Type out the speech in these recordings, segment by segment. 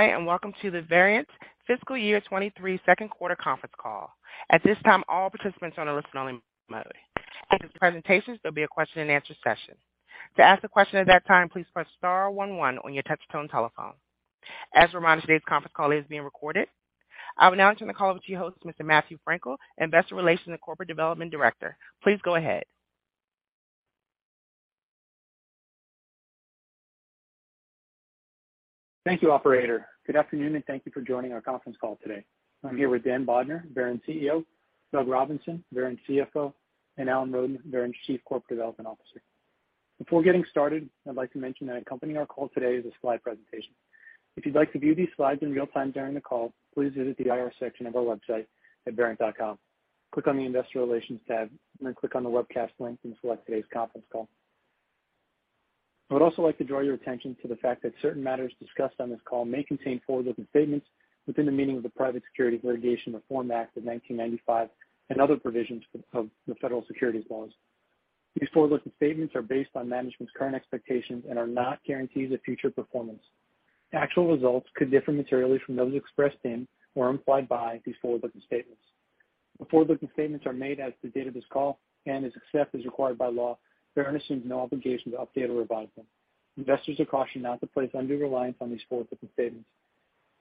Hi, welcome to the Verint Fiscal Year 2023 second quarter conference call. At this time, all participants are on a listen only mode. After the presentations, there'll be a question and answer session. To ask a question at that time, please press star one one on your touchtone telephone. As a reminder, today's conference call is being recorded. I will now turn the call over to your host, Mr. Matthew Frankel, Investor Relations and Corporate Development Director. Please go ahead. Thank you, operator. Good afternoon, and thank you for joining our conference call today. I'm here with Dan Bodner, Verint CEO, Doug Robinson, Verint CFO, and Alan Roden, Verint Chief Corporate Development Officer. Before getting started, I'd like to mention that accompanying our call today is a slide presentation. If you'd like to view these slides in real time during the call, please visit the IR section of our website at verint.com. Click on the Investor Relations tab, and then click on the Webcast link and select today's conference call. I would also like to draw your attention to the fact that certain matters discussed on this call may contain forward-looking statements within the meaning of the Private Securities Litigation Reform Act of 1995 and other provisions of the federal securities laws. These forward-looking statements are based on management's current expectations and are not guarantees of future performance. Actual results could differ materially from those expressed in or implied by these forward-looking statements. The forward-looking statements are made as of the date of this call and except as required by law. Verint assumes no obligation to update or revise them. Investors are cautioned not to place undue reliance on these forward-looking statements.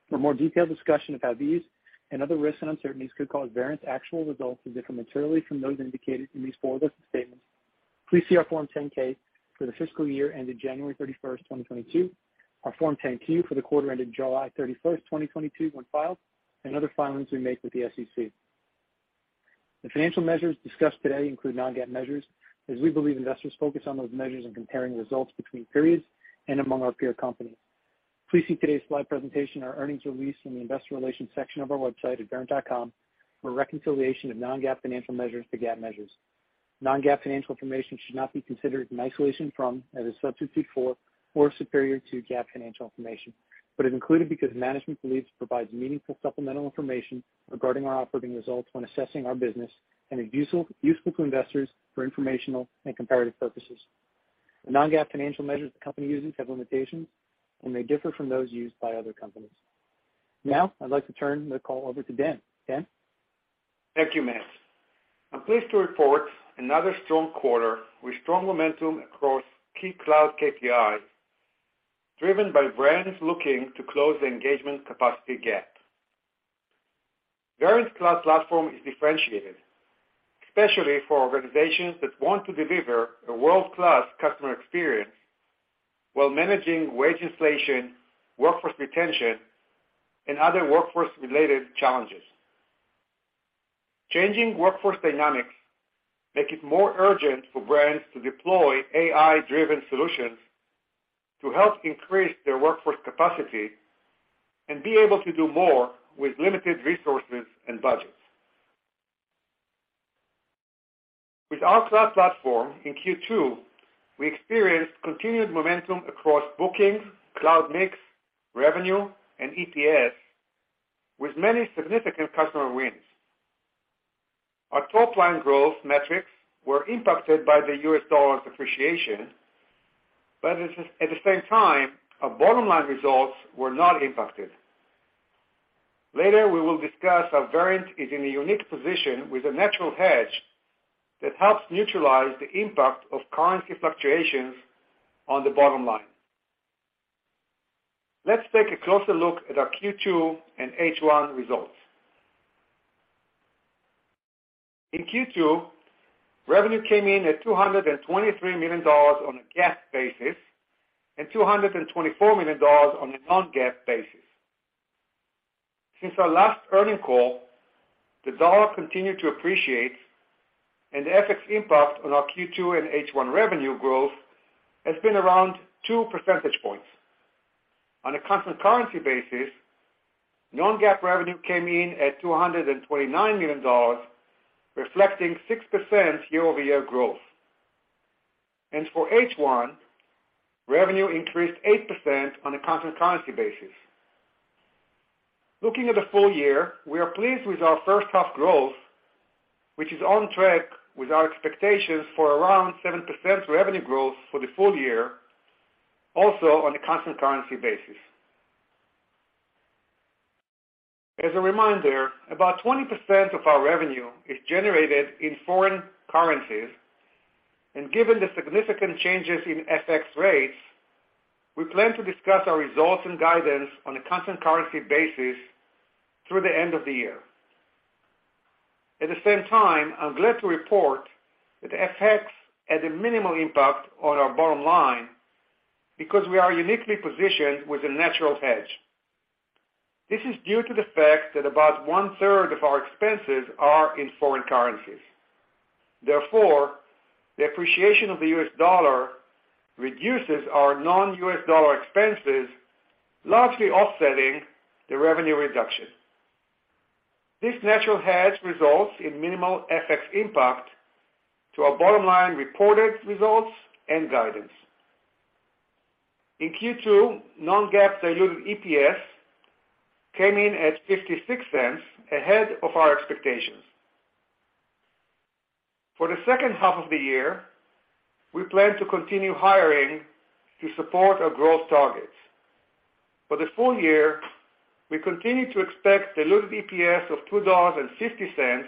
For more detailed discussion of how these and other risks and uncertainties could cause Verint's actual results to differ materially from those indicated in these forward-looking statements, please see our Form 10-K for the fiscal year ended January 31, 2022, our Form 10-Q for the quarter ended July 31, 2022, when filed, and other filings we make with the SEC. The financial measures discussed today include non-GAAP measures as we believe investors focus on those measures in comparing results between periods and among our peer companies. Please see today's slide presentation or earnings release in the investor relations section of our website at verint.com for a reconciliation of non-GAAP financial measures to GAAP measures. Non-GAAP financial information should not be considered in isolation or as a substitute for or superior to GAAP financial information, but is included because management believes it provides meaningful supplemental information regarding our operating results when assessing our business and is useful to investors for informational and comparative purposes. The non-GAAP financial measures the company uses have limitations and may differ from those used by other companies. Now, I'd like to turn the call over to Dan. Dan? Thank you, Matt. I'm pleased to report another strong quarter with strong momentum across key cloud KPIs, driven by brands looking to close the Engagement Capacity Gap. Verint cloud platform is differentiated, especially for organizations that want to deliver a world-class customer experience while managing wage inflation, workforce retention, and other workforce-related challenges. Changing workforce dynamics make it more urgent for brands to deploy AI-driven solutions to help increase their workforce capacity and be able to do more with limited resources and budgets. With our cloud platform in Q2, we experienced continued momentum across bookings, cloud mix, revenue, and EPS with many significant customer wins. Our top-line growth metrics were impacted by the U.S. dollar depreciation, but at the same time, our bottom line results were not impacted. Later, we will discuss how Verint is in a unique position with a natural hedge that helps neutralize the impact of currency fluctuations on the bottom line. Let's take a closer look at our Q2 and H1 results. In Q2, revenue came in at $223 million on a GAAP basis and $224 million on a non-GAAP basis. Since our last earnings call, the dollar continued to appreciate and the FX impact on our Q2 and H1 revenue growth has been around 2 percentage points. On a current currency basis, non-GAAP revenue came in at $229 million, reflecting 6% year-over-year growth. For H1, revenue increased 8% on a constant currency basis. Looking at the full year, we are pleased with our first half growth, which is on track with our expectations for around 7% revenue growth for the full year, also on a constant currency basis. As a reminder, about 20% of our revenue is generated in foreign currencies, and given the significant changes in FX rates, we plan to discuss our results and guidance on a constant currency basis through the end of the year. At the same time, I'm glad to report that FX had a minimal impact on our bottom line because we are uniquely positioned with a natural hedge. This is due to the fact that about one-third of our expenses are in foreign currencies. Therefore, the appreciation of the US dollar reduces our non-US dollar expenses, largely offsetting the revenue reduction. This natural hedge results in minimal FX impact to our bottom line reported results and guidance. In Q2, non-GAAP diluted EPS came in at $0.56 ahead of our expectations. For the second half of the year, we plan to continue hiring to support our growth targets. For the full year, we continue to expect diluted EPS of $2.50,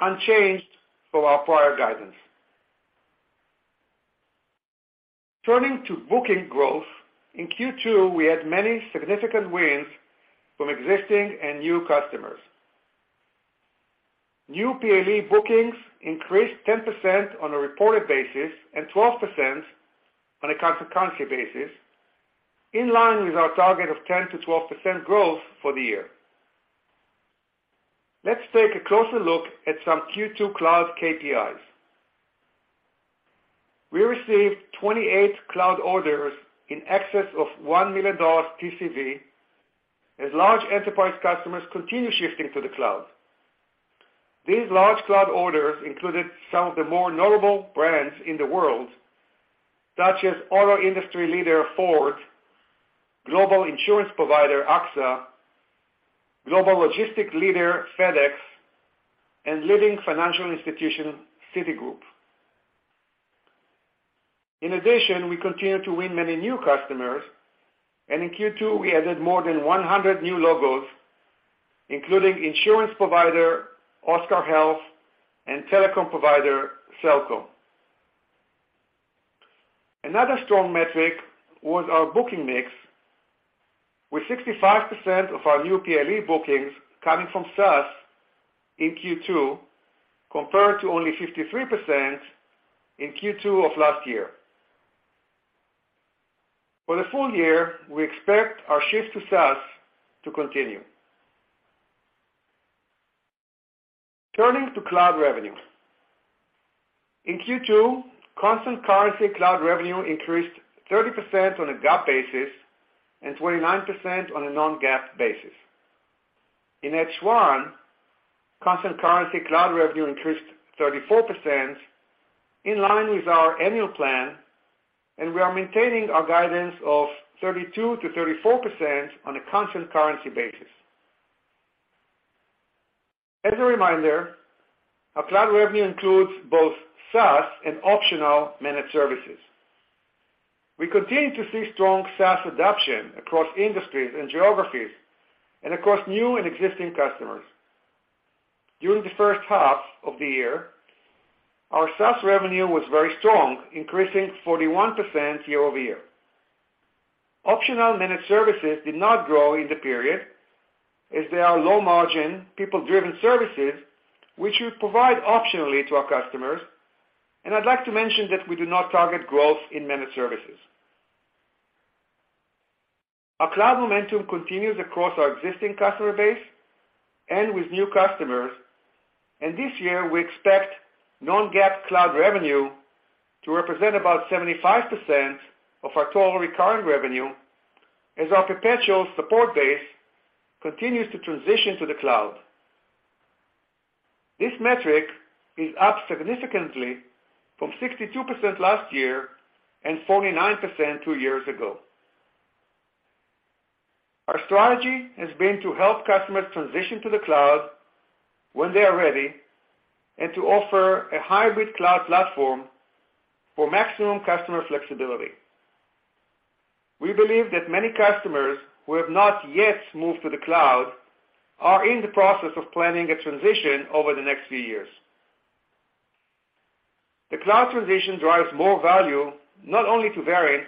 unchanged from our prior guidance. Turning to booking growth, in Q2, we had many significant wins from existing and new customers. New PLE bookings increased 10% on a reported basis and 12% on a constant currency basis, in line with our target of 10%-12% growth for the year. Let's take a closer look at some Q2 cloud KPIs. We received 28 cloud orders in excess of $1 million TCV as large enterprise customers continue shifting to the cloud. These large cloud orders included some of the more notable brands in the world, such as auto industry leader Ford, global insurance provider AXA, global logistic leader FedEx, and leading financial institution Citigroup. In addition, we continue to win many new customers, and in Q2, we added more than 100 new logos, including insurance provider Oscar Health and telecom provider Cellcom. Another strong metric was our booking mix, with 65% of our new PLE bookings coming from SaaS in Q2, compared to only 53% in Q2 of last year. For the full year, we expect our shift to SaaS to continue. Turning to cloud revenue. In Q2, constant currency cloud revenue increased 30% on a GAAP basis and 29% on a non-GAAP basis. In H1, constant currency cloud revenue increased 34% in line with our annual plan, and we are maintaining our guidance of 32%-34% on a constant currency basis. As a reminder, our cloud revenue includes both SaaS and optional managed services. We continue to see strong SaaS adoption across industries and geographies and across new and existing customers. During the first half of the year, our SaaS revenue was very strong, increasing 41% year-over-year. Optional managed services did not grow in the period as they are low margin, people-driven services which we provide optionally to our customers, and I'd like to mention that we do not target growth in managed services. Our cloud momentum continues across our existing customer base and with new customers, and this year we expect non-GAAP cloud revenue to represent about 75% of our total recurring revenue as our perpetual support base continues to transition to the cloud. This metric is up significantly from 62% last year and 49% two years ago. Our strategy has been to help customers transition to the cloud when they are ready and to offer a hybrid cloud platform for maximum customer flexibility. We believe that many customers who have not yet moved to the cloud are in the process of planning a transition over the next few years. The cloud transition drives more value, not only to Verint,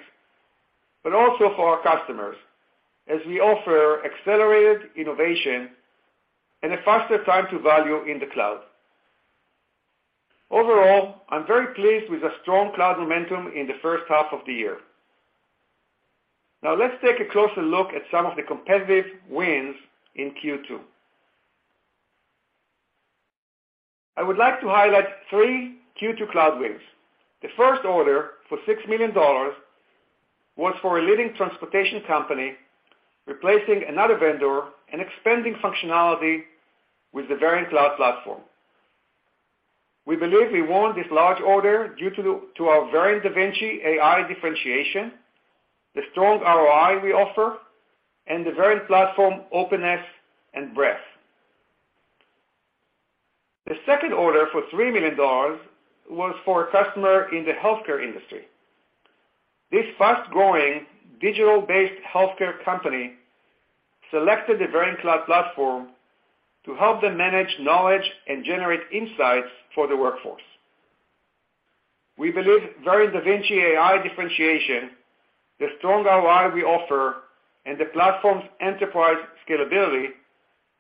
but also for our customers as we offer accelerated innovation and a faster time to value in the cloud. Overall, I'm very pleased with the strong cloud momentum in the first half of the year. Now let's take a closer look at some of the competitive wins in Q2. I would like to highlight three Q2 cloud wins. The first order for $6 million was for a leading transportation company replacing another vendor and expanding functionality with the Verint cloud platform. We believe we won this large order due to our Verint Da Vinci AI differentiation, the strong ROI we offer, and the Verint platform openness and breadth. The second order for $3 million was for a customer in the healthcare industry. This fast-growing, digital-based healthcare company selected the Verint cloud platform to help them manage knowledge and generate insights for the workforce. We believe Verint Da Vinci AI differentiation, the strong ROI we offer, and the platform's enterprise scalability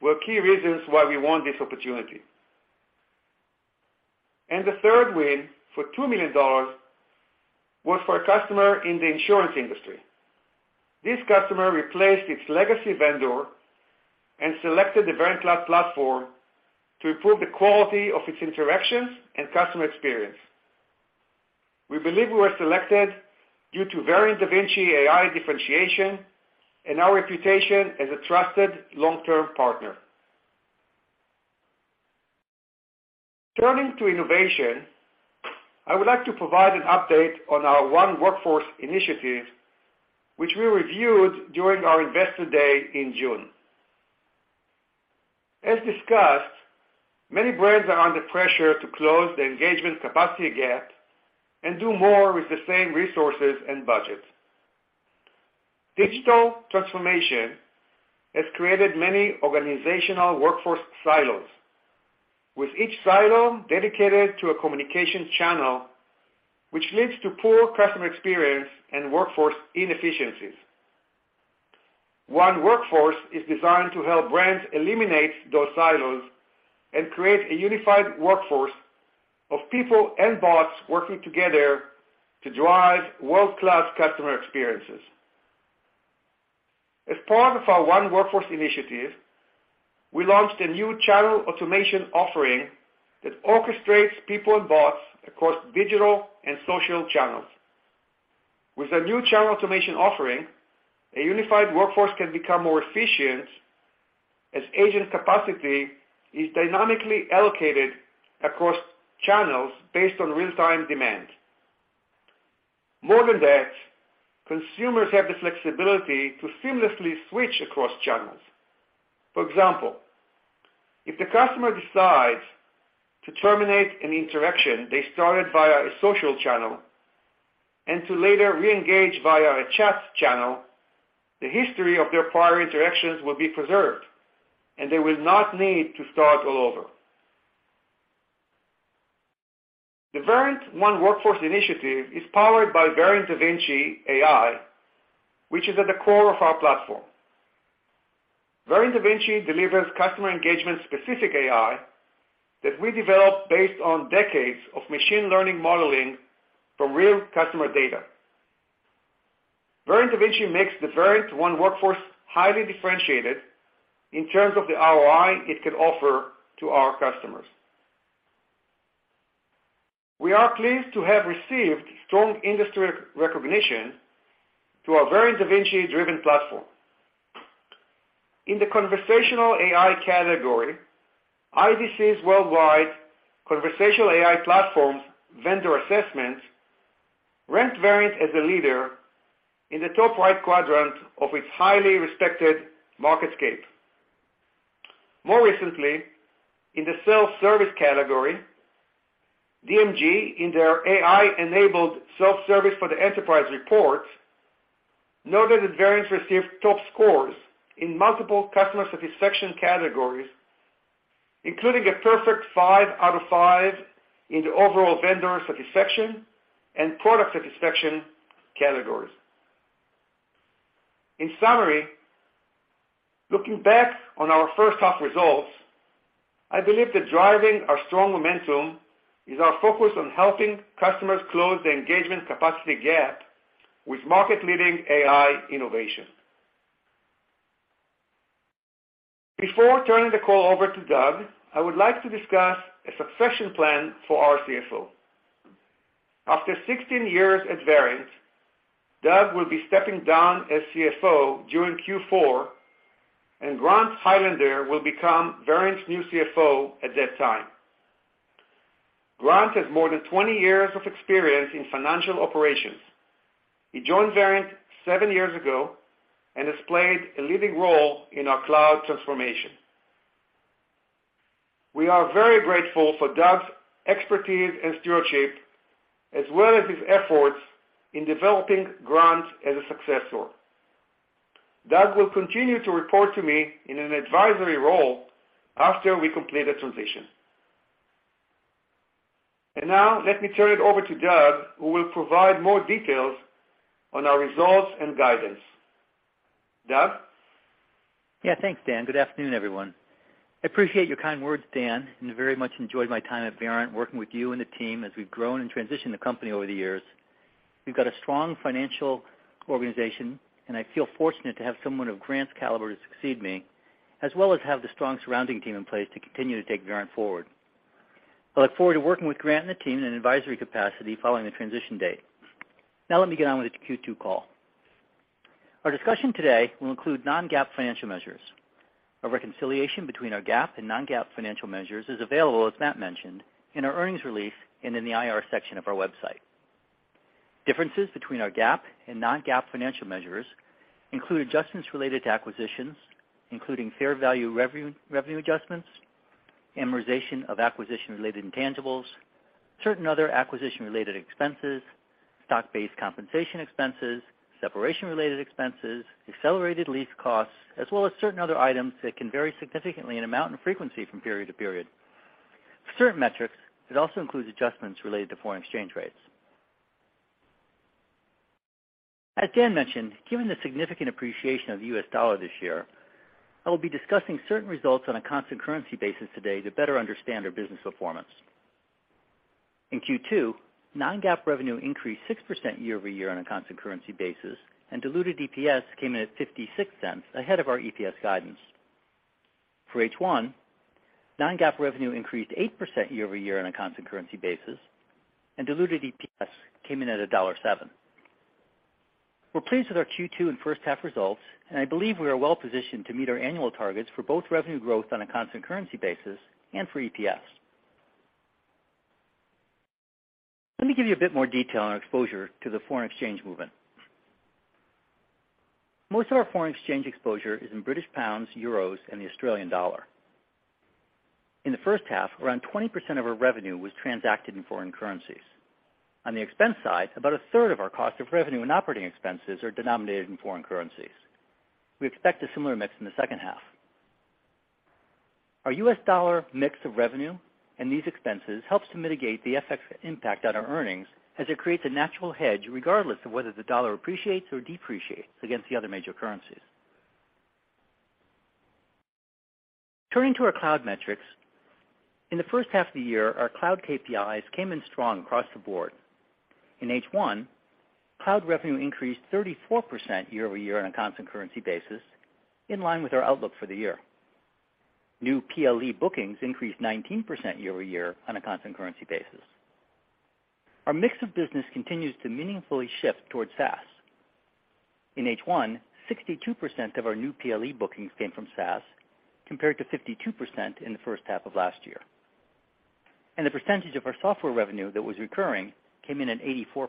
were key reasons why we won this opportunity. The third win for $2 million was for a customer in the insurance industry. This customer replaced its legacy vendor and selected the Verint Cloud Platform to improve the quality of its interactions and customer experience. We believe we were selected due to Verint Da Vinci AI differentiation and our reputation as a trusted long-term partner. Turning to innovation, I would like to provide an update on our One Workforce initiative, which we reviewed during our Investor Day in June. As discussed, many brands are under pressure to close the Engagement Capacity Gap and do more with the same resources and budget. Digital transformation has created many organizational workforce silos, with each silo dedicated to a communication channel, which leads to poor customer experience and workforce inefficiencies. One Workforce is designed to help brands eliminate those silos and create a unified workforce of people and bots working together to drive world-class customer experiences. As part of our One Workforce initiative, we launched a new Channel Automation offering that orchestrates people and bots across digital and social channels. With our new Channel Automation offering, a unified workforce can become more efficient as agent capacity is dynamically allocated across channels based on real-time demand. More than that, consumers have the flexibility to seamlessly switch across channels. For example, if the customer decides to terminate an interaction they started via a social channel and to later reengage via a chat channel, the history of their prior interactions will be preserved, and they will not need to start all over. The Verint One Workforce initiative is powered by Verint Da Vinci AI, which is at the core of our platform. Verint Da Vinci delivers customer engagement-specific AI that we developed based on decades of machine learning modeling from real customer data. Verint Da Vinci makes the Verint One Workforce highly differentiated in terms of the ROI it can offer to our customers. We are pleased to have received strong industry recognition to our Verint Da Vinci-driven platform. In the conversational AI category, IDC's worldwide conversational AI platform vendor assessment ranked Verint as a leader in the top right quadrant of its highly respected MarketScape. More recently, in the self-service category, DMG, in their AI-enabled self-service for the enterprise report, noted that Verint received top scores in multiple customer satisfaction categories, including a perfect five out of five in the overall vendor satisfaction and product satisfaction categories. In summary, looking back on our first half results, I believe that driving our strong momentum is our focus on helping customers close the Engagement Capacity Gap with market-leading AI innovation. Before turning the call over to Doug, I would like to discuss a succession plan for our CFO. After 16 years at Verint, Doug will be stepping down as CFO during Q4, and Grant Highlander will become Verint's new CFO at that time. Grant has more than 20 years of experience in financial operations. He joined Verint seven years ago and has played a leading role in our cloud transformation. We are very grateful for Doug's expertise and stewardship, as well as his efforts in developing Grant as a successor. Doug will continue to report to me in an advisory role after we complete the transition. Now, let me turn it over to Doug, who will provide more details on our results and guidance. Doug? Yeah, thanks, Dan. Good afternoon, everyone. I appreciate your kind words, Dan, and very much enjoyed my time at Verint working with you and the team as we've grown and transitioned the company over the years. We've got a strong financial organization, and I feel fortunate to have someone of Grant's caliber to succeed me, as well as have the strong surrounding team in place to continue to take Verint forward. I look forward to working with Grant and the team in an advisory capacity following the transition date. Now let me get on with the Q2 call. Our discussion today will include non-GAAP financial measures. A reconciliation between our GAAP and non-GAAP financial measures is available, as Matt mentioned, in our earnings release and in the IR section of our website. Differences between our GAAP and non-GAAP financial measures include adjustments related to acquisitions, including fair value revenue adjustments, amortization of acquisition-related intangibles, certain other acquisition-related expenses, stock-based compensation expenses, separation-related expenses, accelerated lease costs, as well as certain other items that can vary significantly in amount and frequency from period to period. For certain metrics, it also includes adjustments related to foreign exchange rates. As Dan mentioned, given the significant appreciation of the U.S. dollar this year, I will be discussing certain results on a constant currency basis today to better understand our business performance. In Q2, non-GAAP revenue increased 6% year-over-year on a constant currency basis, and diluted EPS came in at $0.56 ahead of our EPS guidance. For H1, non-GAAP revenue increased 8% year-over-year on a constant currency basis, and diluted EPS came in at $1.7. We're pleased with our Q2 and first half results, and I believe we are well-positioned to meet our annual targets for both revenue growth on a constant currency basis and for EPS. Let me give you a bit more detail on our exposure to the foreign exchange movement. Most of our foreign exchange exposure is in British pounds, euros, and the Australian dollar. In the first half, around 20% of our revenue was transacted in foreign currencies. On the expense side, about a third of our cost of revenue and operating expenses are denominated in foreign currencies. We expect a similar mix in the second half. Our U.S. dollar mix of revenue and these expenses helps to mitigate the FX impact on our earnings as it creates a natural hedge regardless of whether the dollar appreciates or depreciates against the other major currencies. Turning to our cloud metrics, in the first half of the year, our cloud KPIs came in strong across the board. In H1, cloud revenue increased 34% year-over-year on a constant currency basis, in line with our outlook for the year. New PLE bookings increased 19% year-over-year on a constant currency basis. Our mix of business continues to meaningfully shift towards SaaS. In H1, 62% of our new PLE bookings came from SaaS, compared to 52% in the first half of last year. The percentage of our software revenue that was recurring came in at 84%.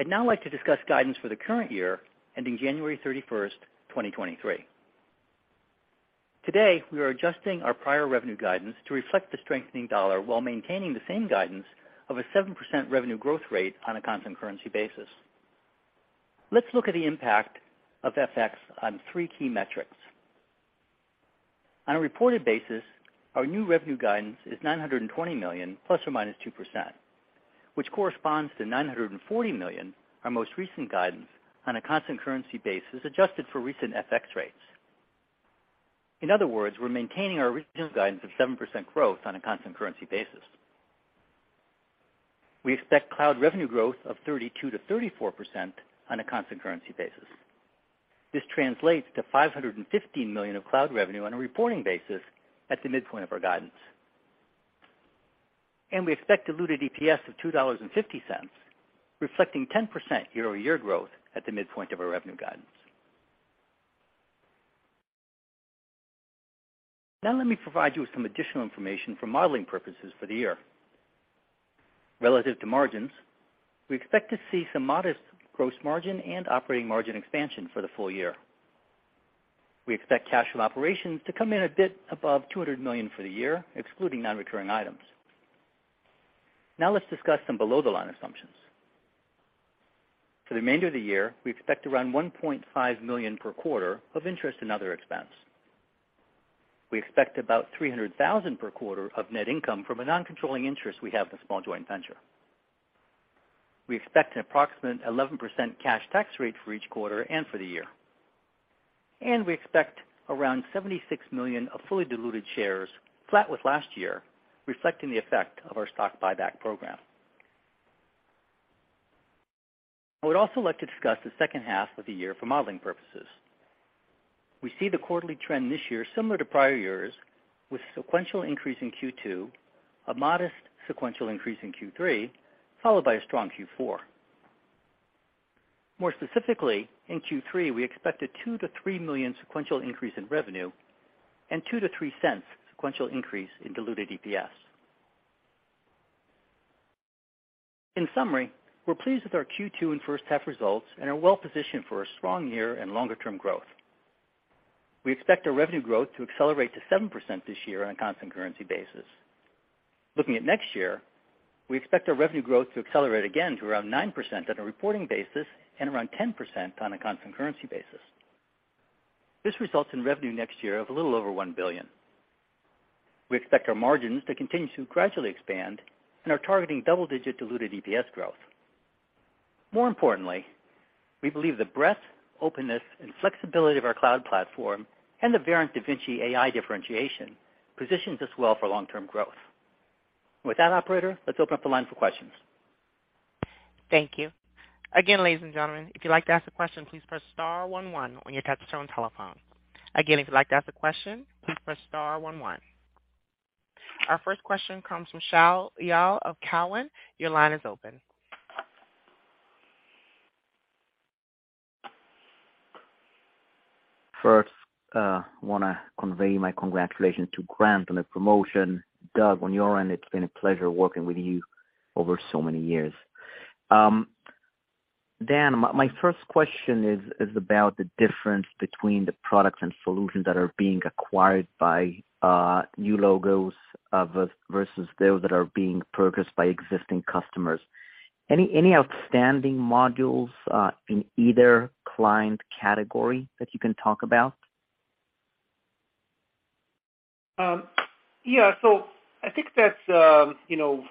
I'd now like to discuss guidance for the current year ending January thirty-first, 2023. Today, we are adjusting our prior revenue guidance to reflect the strengthening dollar while maintaining the same guidance of a 7% revenue growth rate on a constant currency basis. Let's look at the impact of FX on three key metrics. On a reported basis, our new revenue guidance is $920 million ±2%, which corresponds to $940 million, our most recent guidance on a constant currency basis, adjusted for recent FX rates. In other words, we're maintaining our original guidance of 7% growth on a constant currency basis. We expect cloud revenue growth of 32%-34% on a constant currency basis. This translates to $550 million of cloud revenue on a reporting basis at the midpoint of our guidance. We expect diluted EPS of $2.50, reflecting 10% year-over-year growth at the midpoint of our revenue guidance. Now let me provide you with some additional information for modeling purposes for the year. Relative to margins, we expect to see some modest gross margin and operating margin expansion for the full year. We expect cash from operations to come in a bit above $200 million for the year, excluding non-recurring items. Now let's discuss some below-the-line assumptions. For the remainder of the year, we expect around $1.5 million per quarter of interest and other expense. We expect about $300,000 per quarter of net income from a non-controlling interest we have with a small joint venture. We expect an approximate 11% cash tax rate for each quarter and for the year. We expect around 76 million of fully diluted shares, flat with last year, reflecting the effect of our stock buyback program. I would also like to discuss the second half of the year for modeling purposes. We see the quarterly trend this year similar to prior years, with sequential increase in Q2, a modest sequential increase in Q3, followed by a strong Q4. More specifically, in Q3, we expect a $2 million-$3 million sequential increase in revenue and $0.02-$0.03 sequential increase in diluted EPS. In summary, we're pleased with our Q2 and first half results and are well positioned for a strong year and longer-term growth. We expect our revenue growth to accelerate to 7% this year on a constant currency basis. Looking at next year, we expect our revenue growth to accelerate again to around 9% on a reporting basis and around 10% on a constant currency basis. This results in revenue next year of a little over $1 billion. We expect our margins to continue to gradually expand and are targeting double-digit diluted EPS growth. More importantly, we believe the breadth, openness and flexibility of our cloud platform and the Verint Da Vinci AI differentiation positions us well for long-term growth. With that, operator, let's open up the line for questions. Thank you. Again, ladies and gentlemen, if you'd like to ask a question, please press star one one on your touchtone telephone. Again, if you'd like to ask a question, please press star one one. Our first question comes from Shaul Eyal of Cowen. Your line is open. First, wanna convey my congratulations to Grant on the promotion. Doug, on your end, it's been a pleasure working with you over so many years. Dan, my first question is about the difference between the products and solutions that are being acquired by new logos versus those that are being purchased by existing customers. Any outstanding modules in either client category that you can talk about? Yeah. I think that, you know,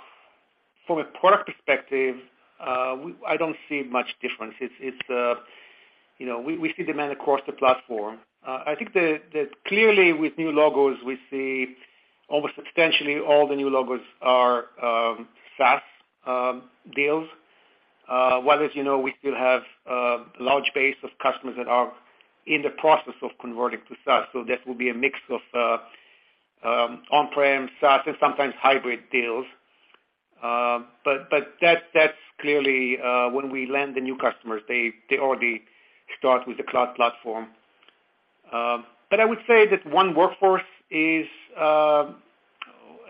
from a product perspective, I don't see much difference. It's, you know, we see demand across the platform. I think clearly with new logos, we see almost substantially all the new logos are SaaS deals. Well, as you know, we still have a large base of customers that are in the process of converting to SaaS, so that will be a mix of on-prem SaaS and sometimes hybrid deals. That's clearly when we land the new customers, they already start with the cloud platform. I would say that One Workforce is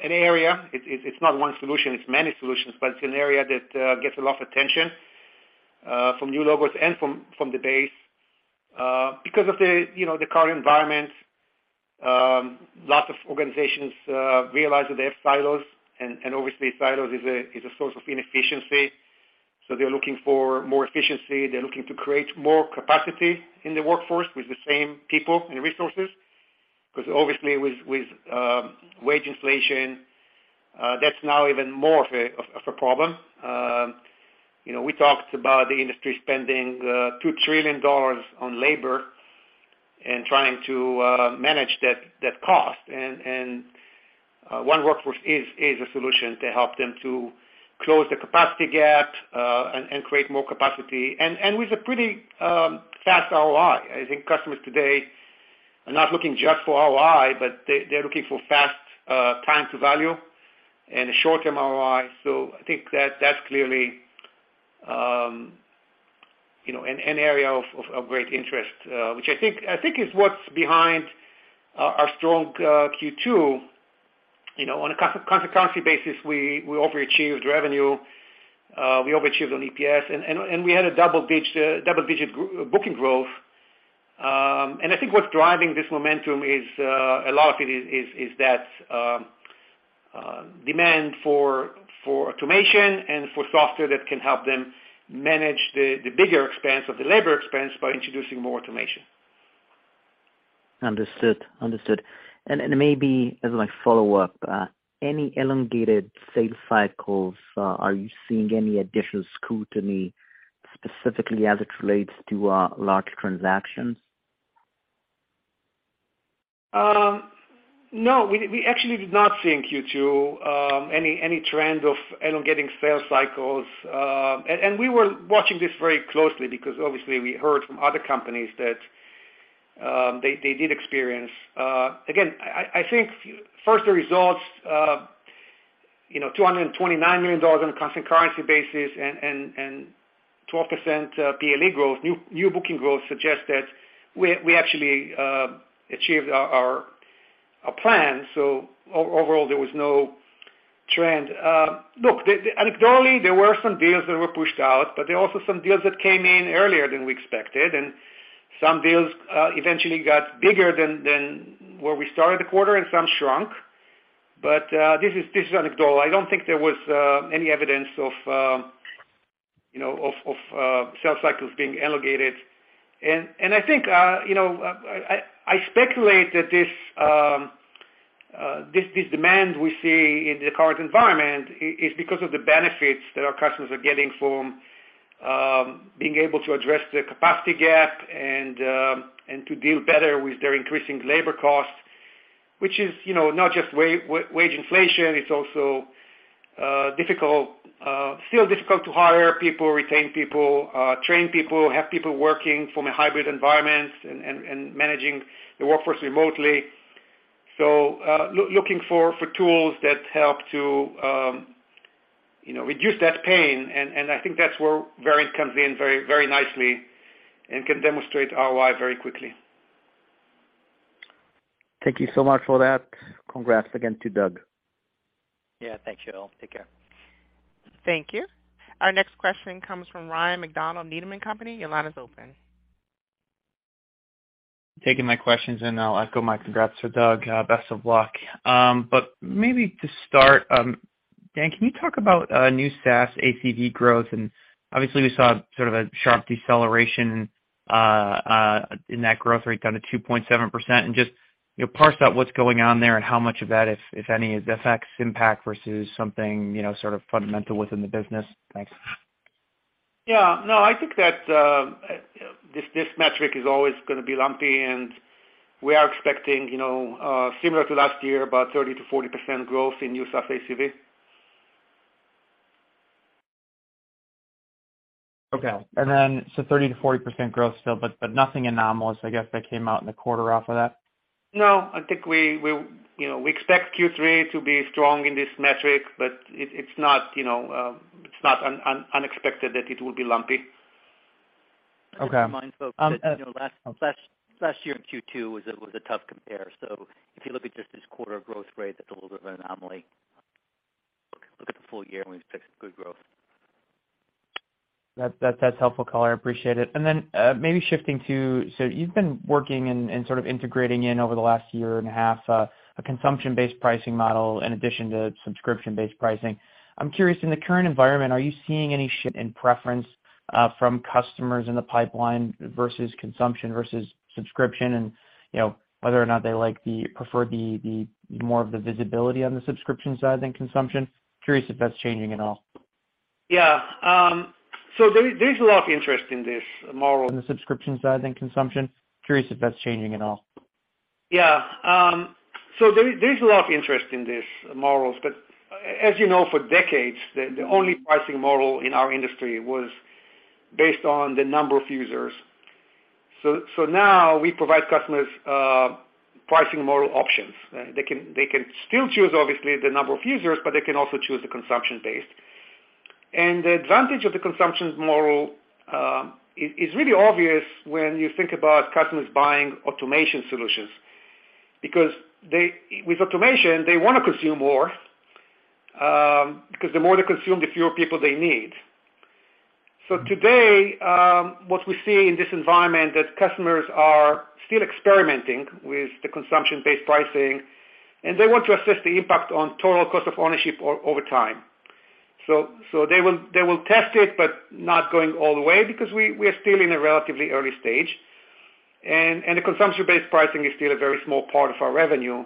an area. It's not one solution, it's many solutions, but it's an area that gets a lot of attention from new logos and from the base because of the, you know, the current environment. Lots of organizations realize that they have silos and obviously silos is a source of inefficiency. They're looking for more efficiency. They're looking to create more capacity in the workforce with the same people and resources. 'Cause obviously with wage inflation, that's now even more of a problem. You know, we talked about the industry spending $2 trillion on labor and trying to manage that cost and One Workforce is a solution to help them to close the capacity gap and create more capacity and with a pretty fast ROI. I think customers today are not looking just for ROI, but they're looking for fast time to value and a short-term ROI. I think that's clearly you know an area of great interest which I think is what's behind our strong Q2. You know, on a constant currency basis, we overachieved revenue, we overachieved on EPS and we had a double-digit booking growth. I think what's driving this momentum is a lot of it is that demand for automation and for software that can help them manage the bigger expense of the labor expense by introducing more automation. Understood. Maybe as my follow-up, any elongated sales cycles, are you seeing any additional scrutiny specifically as it relates to large transactions? No, we actually did not see in Q2 any trend of elongating sales cycles. We were watching this very closely because obviously we heard from other companies that they did experience. Again, I think first, the results, you know, $229 million on a constant currency basis and 12% PLE growth, new booking growth suggests that we actually achieved our plan. Overall, there was no trend. Look, anecdotally, there were some deals that were pushed out, but there are also some deals that came in earlier than we expected. Some deals eventually got bigger than where we started the quarter and some shrunk. This is anecdotal. I don't think there was any evidence of, you know, of sales cycles being elongated. I think, you know, I speculate that this demand we see in the current environment is because of the benefits that our customers are getting from being able to address the capacity gap and to deal better with their increasing labor costs, which is, you know, not just wage inflation, it's also still difficult to hire people, retain people, train people, have people working from a hybrid environment and managing the workforce remotely. Looking for tools that help to, you know, reduce that pain and I think that's where Verint comes in very nicely and can demonstrate ROI very quickly. Thank you so much for that. Congrats again to Doug. Yeah. Thank you all. Take care. Thank you. Our next question comes from Ryan MacDonald, Needham & Company. Your line is open. Taking my questions and I'll echo my congrats to Doug. Best of luck. Maybe to start, Dan, can you talk about new SaaS ACV growth? Obviously we saw sort of a sharp deceleration in that growth rate down to 2.7%. Just, you know, parse out what's going on there and how much of that, if any, is FX impact versus something, you know, sort of fundamental within the business. Thanks. Yeah. No, I think that this metric is always gonna be lumpy, and we are expecting, you know, similar to last year, about 30%-40% growth in new SaaS ACV. 30%-40% growth still, but nothing anomalous, I guess, that came out in the quarter off of that? No, I think we, you know, we expect Q3 to be strong in this metric, but it's not, you know, it's not unexpected that it will be lumpy. Okay. Just to remind folks that, you know, last year in Q2 was a tough compare. If you look at just this quarter growth rate, that's a little bit of an anomaly. Look at the full year when we expect good growth. That's helpful, Colin. I appreciate it. Maybe shifting to, so you've been working and sort of integrating in over the last year and a half, a consumption-based pricing model in addition to subscription-based pricing. I'm curious, in the current environment, are you seeing any shift in preference from customers in the pipeline versus consumption versus subscription? You know, whether or not they prefer the more of the visibility on the subscription side than consumption. Curious if that's changing at all. There's a lot of interest in this model. On the subscription side than consumption. Curious if that's changing at all? Yeah. There's a lot of interest in these models, but as you know, for decades, the only pricing model in our industry was based on the number of users. Now we provide customers pricing model options. They can still choose, obviously, the number of users, but they can also choose the consumption-based. The advantage of the consumption model is really obvious when you think about customers buying automation solutions because with automation, they want to consume more, because the more they consume, the fewer people they need. Today, what we see in this environment that customers are still experimenting with the consumption-based pricing, and they want to assess the impact on total cost of ownership over time. They will test it, but not going all the way because we are still in a relatively early stage. The consumption-based pricing is still a very small part of our revenue.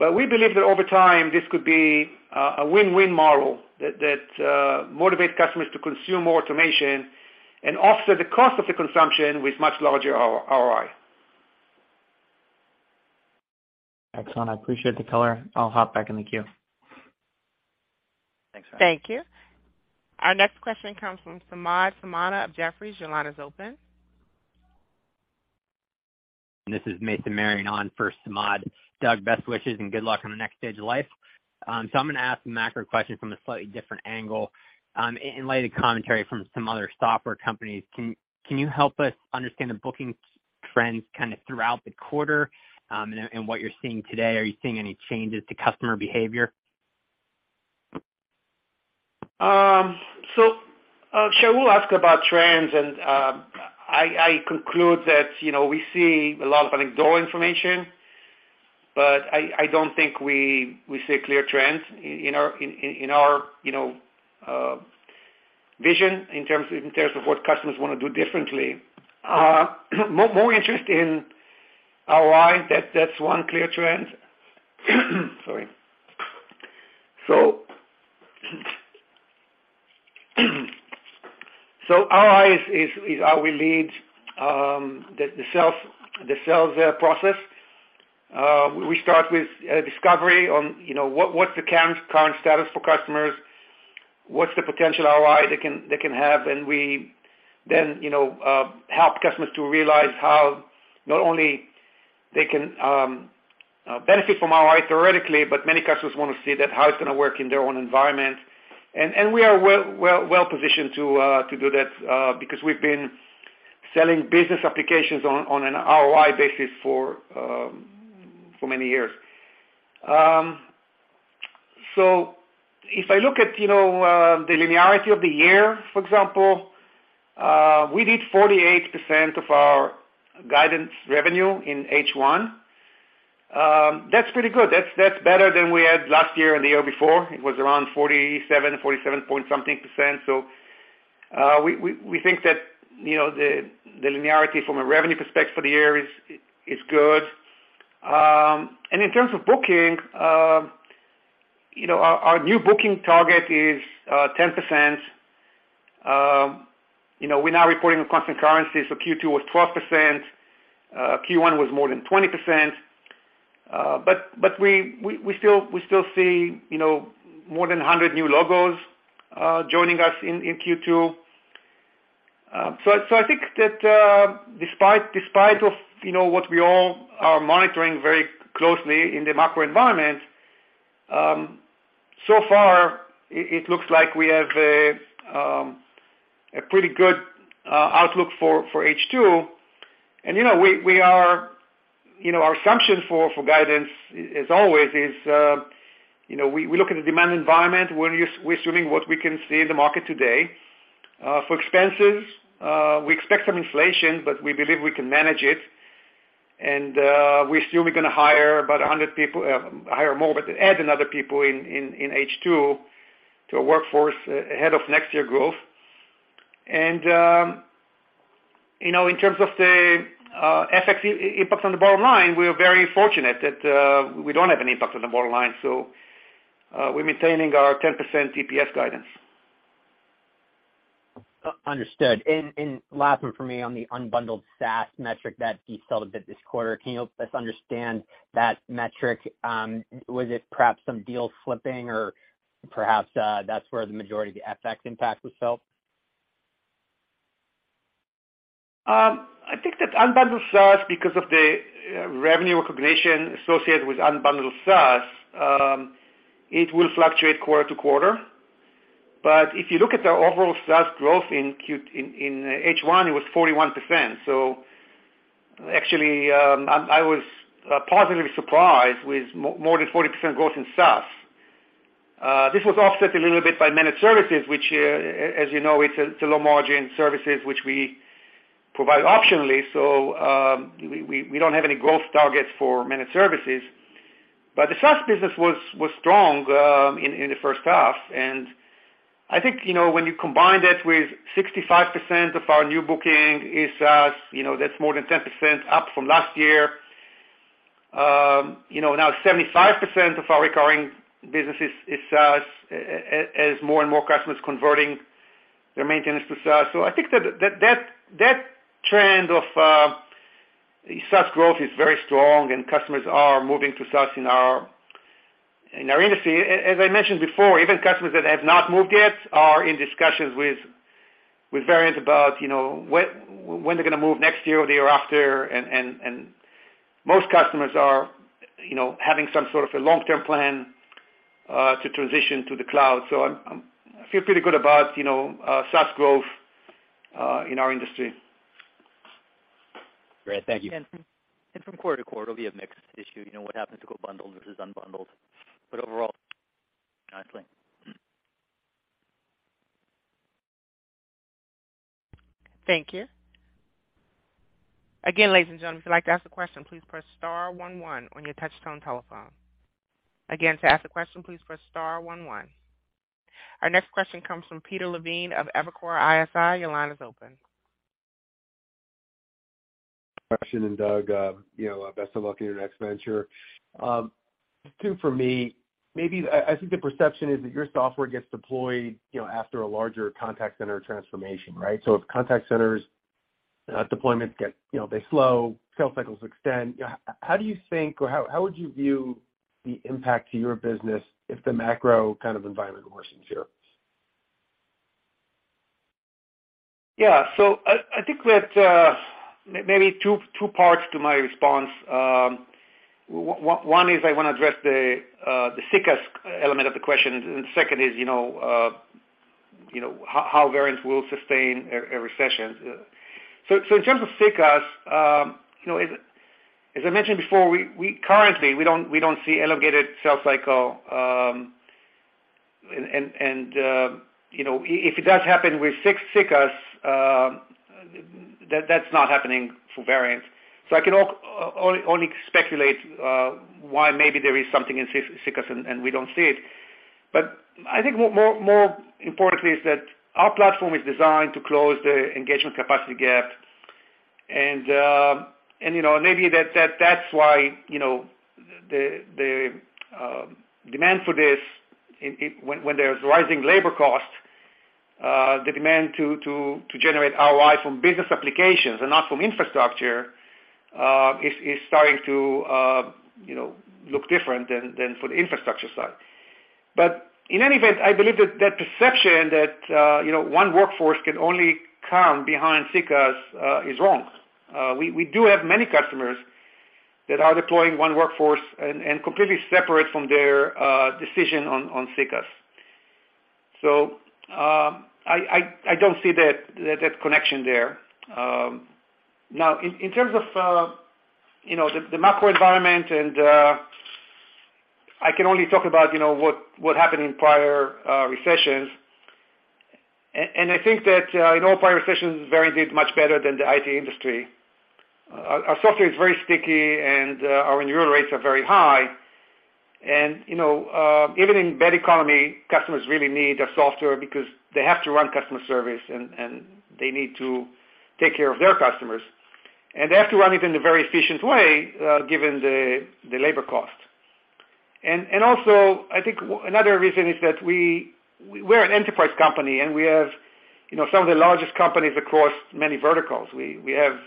We believe that over time, this could be a win-win model that motivates customers to consume more automation and offset the cost of the consumption with much larger ROI. Excellent. I appreciate the color. I'll hop back in the queue. Thanks. Thank you. Our next question comes from Samad Samana of Jefferies. Your line is open. This is Mason Marion on for Samad Samana. Doug Robinson, best wishes and good luck on the next stage of life. I'm gonna ask a macro question from a slightly different angle. In light of commentary from some other software companies, can you help us understand the booking trends kind of throughout the quarter, and what you're seeing today? Are you seeing any changes to customer behavior? Shaul asked about trends, and I conclude that, you know, we see a lot of, I think, more information, but I don't think we see clear trends in our vision in terms of what customers wanna do differently. More interest in ROI, that's one clear trend. Sorry. ROI is how we lead the sales process. We start with a discovery on, you know, what's the current status for customers. What's the potential ROI they can have. And we then, you know, help customers to realize how not only they can benefit from ROI theoretically, but many customers want to see how it's gonna work in their own environment. We are well-positioned to do that because we've been selling business applications on an ROI basis for many years. If I look at, you know, the linearity of the year, for example, we did 48% of our guidance revenue in H1. That's pretty good. That's better than we had last year and the year before. It was around 47-point-something percent. We think that, you know, the linearity from a revenue perspective for the year is good. In terms of booking, you know, our new booking target is 10%. You know, we're now reporting on constant currency, so Q2 was 12%. Q1 was more than 20%. We still see, you know, more than 100 new logos joining us in Q2. I think that despite, you know, what we all are monitoring very closely in the macro environment, so far it looks like we have a pretty good outlook for H2. You know, we are, you know, our assumption for guidance is always, you know, we look at the demand environment. We're assuming what we can see in the market today. For expenses, we expect some inflation, but we believe we can manage it. We assume we're gonna hire about 100 people, hire more, but add another people in H2 to a workforce ahead of next year growth. You know, in terms of the FX impact on the bottom line, we are very fortunate that we don't have an impact on the bottom line. We're maintaining our 10% EPS guidance. Understood. Last one for me on the unbundled SaaS metric that decelerated a bit this quarter. Can you help us understand that metric? Was it perhaps some deal flipping or perhaps that's where the majority of the FX impact was felt? I think that unbundled SaaS, because of the revenue recognition associated with unbundled SaaS, it will fluctuate quarter to quarter. If you look at the overall SaaS growth in H1, it was 41%. Actually, I was positively surprised with more than 40% growth in SaaS. This was offset a little bit by managed services, which, as you know, it's a low-margin services which we provide optionally. We don't have any growth targets for managed services. The SaaS business was strong in the first half. I think, you know, when you combine that with 65% of our new booking is SaaS, you know, that's more than 10% up from last year. You know, now 75% of our recurring business is SaaS as more and more customers converting their maintenance to SaaS. I think that trend of SaaS growth is very strong and customers are moving to SaaS in our industry. As I mentioned before, even customers that have not moved yet are in discussions with Verint about, you know, when they're gonna move next year or the year after, and most customers are, you know, having some sort of a long-term plan to transition to the cloud. So I feel pretty good about, you know, SaaS growth in our industry. Great. Thank you. From quarter-over-quarter will be a mixed issue. You know, what happens to bundled versus unbundled, but overall nicely. Thank you. Again, ladies and gentlemen, if you'd like to ask a question, please press star one one on your touchtone telephone. Again, to ask a question, please press star one one. Our next question comes from Peter Levine of Evercore ISI. Your line is open. Dan and Doug, you know, best of luck in your next venture. Two for me. Maybe I think the perception is that your software gets deployed, you know, after a larger contact center transformation, right? If contact centers deployments get, you know, they slow, sales cycles extend, how do you think or how would you view the impact to your business if the macro kind of environment worsens here? Yeah. I think that maybe two parts to my response. One is I wanna address the CCaaS element of the question, and second is you know how Verint will sustain a recession. In terms of CCaaS, you know as I mentioned before we currently don't see elongated sales cycle. You know if it does happen with CCaaS that's not happening for Verint. I can only speculate why maybe there is something in CCaaS and we don't see it. I think more importantly is that our platform is designed to close the Engagement Capacity Gap. You know, maybe that's why you know the demand for this when there's rising labor costs the demand to generate ROI from business applications and not from infrastructure is starting to you know look different than for the infrastructure side. In any event, I believe that perception that you know One Workforce can only come behind CCaaS is wrong. We do have many customers that are deploying One Workforce and completely separate from their decision on CCaaS. I don't see that connection there. Now in terms of you know the macro environment and I can only talk about you know what happened in prior recessions. I think that in all prior recessions, Verint did much better than the IT industry. Our software is very sticky and our renewal rates are very high. Even in bad economy, customers really need our software because they have to run customer service and they need to take care of their customers. They have to run it in a very efficient way, given the labor cost. I think another reason is that we're an enterprise company, and we have some of the largest companies across many verticals. We have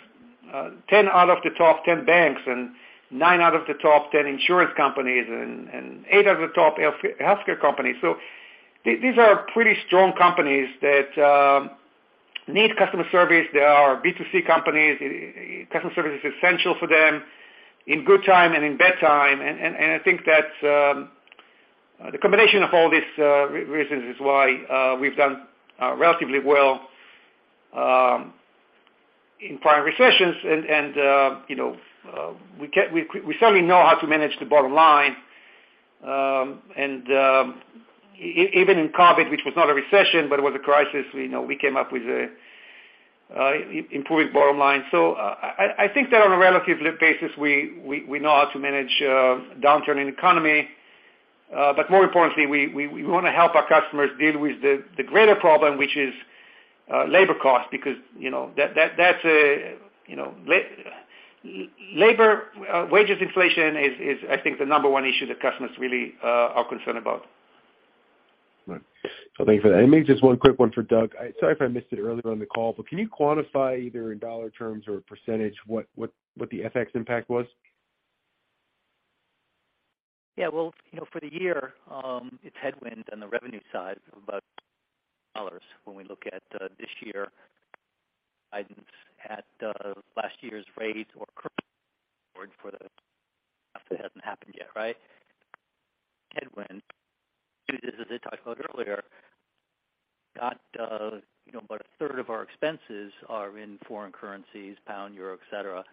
10 out of the top 10 banks and 9 out of the top 10 insurance companies and 8 of the top healthcare companies. These are pretty strong companies that need customer service. They are B2C companies. Customer service is essential for them in good times and in bad times. I think that the combination of all these reasons is why we've done relatively well in prior recessions. You know, we certainly know how to manage the bottom line. Even in COVID, which was not a recession, but it was a crisis, you know, we came up with an improved bottom line. I think that on a relative basis, we know how to manage a downturn in the economy. More importantly, we wanna help our customers deal with the greater problem, which is labor cost, because, you know, that's, you know, labor wages inflation is I think the number one issue that customers really are concerned about. Right. Thank you for that. Maybe just one quick one for Doug. Sorry if I missed it earlier on the call, but can you quantify either in dollar terms or percentage what the FX impact was? Yeah. Well, you know, for the year, it's headwind on the revenue side of about $60 million when we look at this year guidance at last year's rates or current FX for the stuff that hasn't happened yet, right? Headwind, as I talked about earlier, about a third of our expenses are in foreign currencies, pound, euro, et cetera.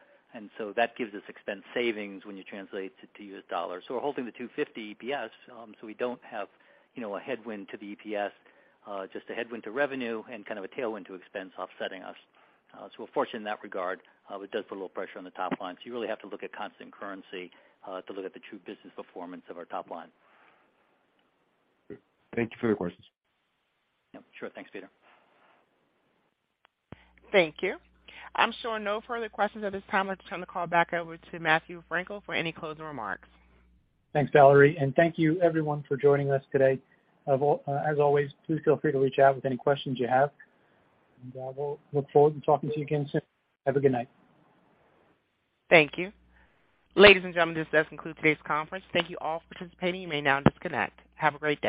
That gives us expense savings when you translate it to U.S. dollars. We're holding the $2.50 EPS, so we don't have, you know, a headwind to the EPS, just a headwind to revenue and kind of a tailwind to expense offsetting us. We're fortunate in that regard, but it does put a little pressure on the top line. You really have to look at constant currency, to look at the true business performance of our top line. Thank you for the questions. Yep. Sure. Thanks, Peter. Thank you. I'm showing no further questions at this time. Let's turn the call back over to Matthew Frankel for any closing remarks. Thanks, Valerie. Thank you everyone for joining us today. As always, please feel free to reach out with any questions you have, and we'll look forward to talking to you again soon. Have a good night. Thank you. Ladies and gentlemen, this does conclude today's conference. Thank you all for participating. You may now disconnect. Have a great day.